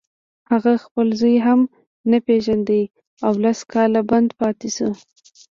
هغه خپل زوی هم نه پېژانده او لس کاله بند پاتې شو